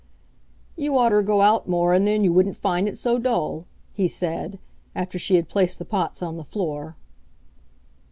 "You oughter go out more and then you wouldn't find it so dull," he said, after she had placed the pots on the floor.